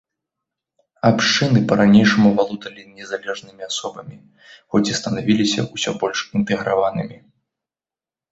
Абшчыны па-ранейшаму валодалі незалежнымі асобамі, хоць і станавіліся ўсё больш інтэграванымі.